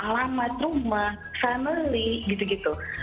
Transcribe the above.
alamat rumah family gitu gitu